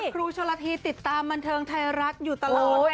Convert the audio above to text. ครูชนละทีติดตามบันเทิงไทยรัฐอยู่ตลอด